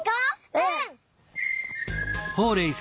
うん。